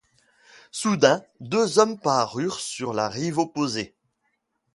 Soudain deux hommes parurent sur la rive opposée.